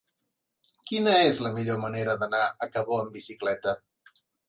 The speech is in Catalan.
Quina és la millor manera d'anar a Cabó amb bicicleta?